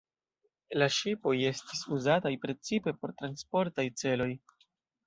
La ŝipoj estis uzataj precipe por transportaj celoj.